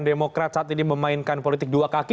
demokrat saat ini memainkan politik dua kaki